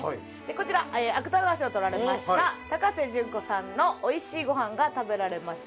こちら芥川賞をとられました高瀬隼子さんの『おいしいごはんが食べられますように』。